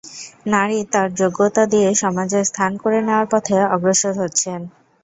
নারী তাঁর যোগ্যতা দিয়ে সমাজে স্থান করে নেওয়ার পথে অগ্রসর হচ্ছেন।